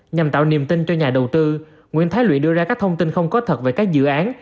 nhằm tạo niềm tin cho nhà đầu tư nguyễn thái luyện đưa ra các thông tin không có thật về các dự án